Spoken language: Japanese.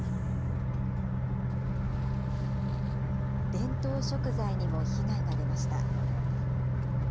伝統食材にも被害が出ました。